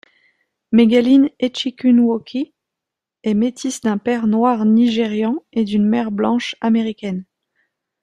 Megalyn Echikunwoke est métisse d'un père noir nigérian et d'une mère blanche américaine.